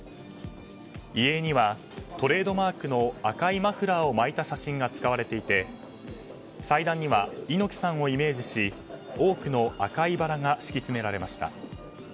遺影には、トレードマークの赤いマフラーを巻いた写真が使われていて、祭壇には猪木さんをイメージし多くの赤いバラが敷き詰められました。